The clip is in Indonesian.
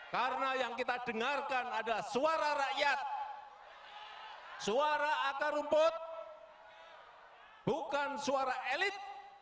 karena yang kita dengarkan adalah suara rakyat suara akar rumput bukan suara elit